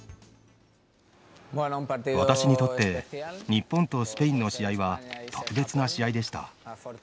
私にとって日本とスペインの試合は特別な試合でした。